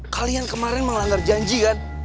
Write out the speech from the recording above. kalian kemarin melanggar janji kan